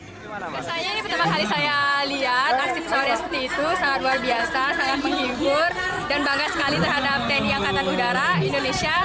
rasanya ini pertama kali saya lihat aksi pesawatnya seperti itu sangat luar biasa sangat menghibur dan bangga sekali terhadap tni angkatan udara indonesia